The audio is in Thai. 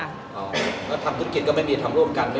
อ๋อแล้วทำธุรกิจก็ไม่มีทำร่วมกันไม่มีหรือ